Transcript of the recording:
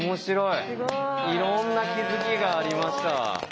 いろんな気づきがありました。